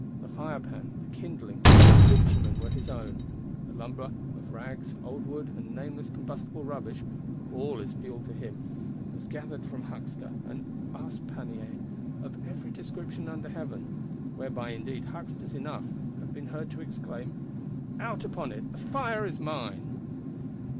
The firepan, the kindling, the bitumen were his own; but the lumber, of rags, old wood and nameless combustible rubbish (for all is fuel to him), was gathered from huckster, and ass panniers, of every description under heaven. Whereby, indeed, hucksters enough have been heard to exclaim: Out upon it, the fire is _mine!